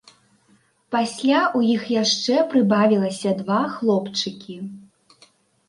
Пасля ў іх яшчэ прыбавілася два хлопчыкі.